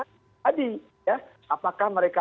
tadi apakah mereka